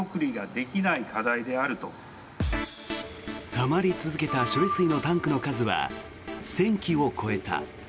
たまり続けた処理水のタンクの数は１０００基を超えた。